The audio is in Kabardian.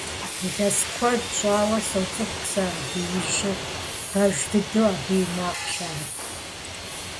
Илъэс куэд щӀауэ соцӀыху сэ а беижьыр, пэж дыдэуи абы и макъщ ар.